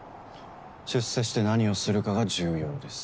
出世して何をするかが重要です。